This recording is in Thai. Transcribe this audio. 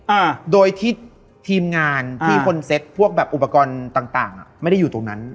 อ่าโดยที่ทีมงานที่คนเซ็ตพวกแบบอุปกรณ์ต่างต่างอ่ะไม่ได้อยู่ตรงนั้น